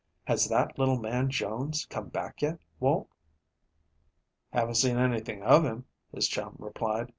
Has that little man, Jones, come back yet, Walt?" "Haven't seen anything of him," his chum replied.